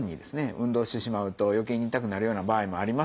運動してしまうとよけいに痛くなるような場合もあります